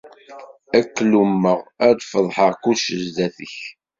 Ad k-lummeɣ, ad d-feḍḥeɣ kullec sdat-k.